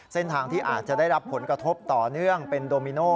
เส้นทางที่อาจจะได้รับผลกระทบต่อเนื่องเป็นโดมิโน